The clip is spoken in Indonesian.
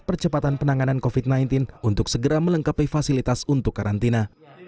percepatan penanganan covid sembilan belas untuk segera melengkapi fasilitas untuk karantina